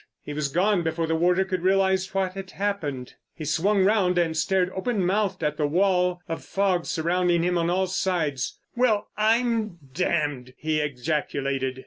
He was gone before the warder could realise what had happened. He swung round and stared open mouthed at the wall of fog surrounding him on all sides. "Well, I'm damned!" he ejaculated.